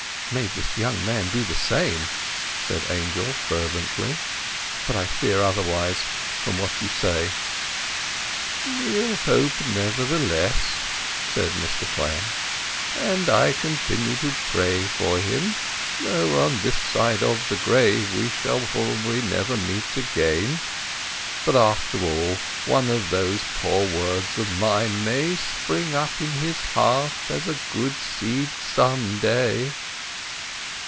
"May this young man do the same!" said Angel fervently. "But I fear otherwise, from what you say." "We'll hope, nevertheless," said Mr Clare. "And I continue to pray for him, though on this side of the grave we shall probably never meet again. But, after all, one of those poor words of mine may spring up in his heart as a good seed some day."